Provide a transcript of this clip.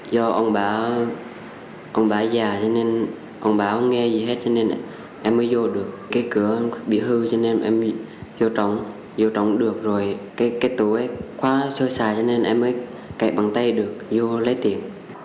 do ông báo ông báo già cho nên ông báo không nghe gì hết cho nên em mới vô được cái cửa bị hư cho nên em vô trống vô trống được rồi cái tủ ấy quá xa xa cho nên em mới cậy bằng tay được vô lấy tiền